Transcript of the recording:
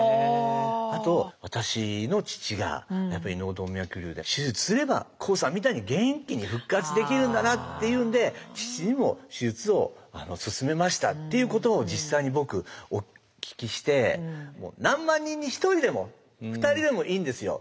あと私の父がやっぱり脳動脈瘤で手術すればＫＯＯさんみたいに元気に復活できるんだなっていうんで父にも手術を勧めましたっていうことを実際に僕お聞きして何万人に１人でも２人でもいいんですよ。